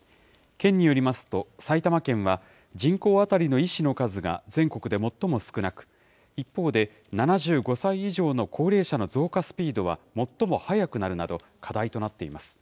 県によりますと、埼玉県は、人口当たりの医師の数が全国で最も少なく、一方で７５歳以上の高齢者の増加スピードは最も速くなるなど、課題となっています。